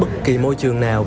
bất kỳ môi trường nào